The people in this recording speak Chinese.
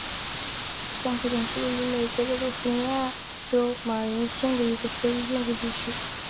港口点是位于美国加利福尼亚州马林县的一个非建制地区。